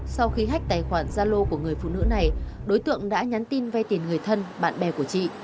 sau khi hách tài khoản gia lô của người phụ nữ này đối tượng đã nhắn tin vay tiền người thân bạn bè của chị